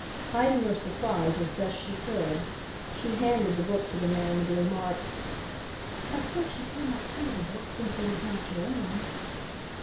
Hiding her surprise as best she could, she handed the book to the man with the remark: "Of course you cannot sell the book, since it is not your own?"